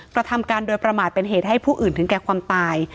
กระทำการโดยประมาทเป็นเหตุให้ผู้อื่นถึงแก่ความตาย